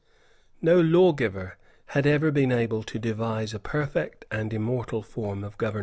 No lawgiver had ever been able to devise a perfect and immortal form of government.